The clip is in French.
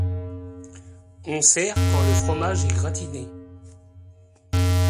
On sert quand le fromage est gratiné.